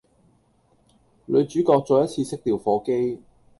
女主角再一次熄掉火機